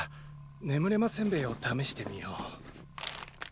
眠れませんべいをためしてみよう。